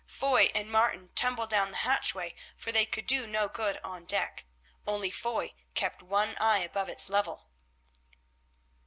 Foy and Martin tumbled down the hatchway, for they could do no good on deck. Only Foy kept one eye above its level.